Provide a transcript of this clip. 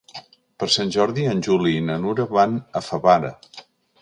Per Sant Jordi en Juli i na Nura van a Favara.